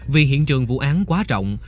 vì hiện trường vụ án quá rộng